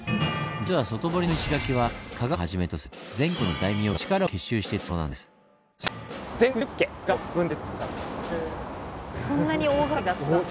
実は外堀の石垣は加賀藩をはじめとする全国の大名が力を結集してつくったものなんです。